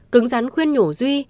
cứng rắn khuyên nhổ duy